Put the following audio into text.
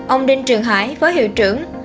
ông đinh trường hải với hiệu trưởng